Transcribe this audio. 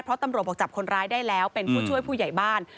เพราะตำรวจบอกจับคนร้ายได้แล้วเป็นผู้ช่วยผู้ใหญ่บ้าน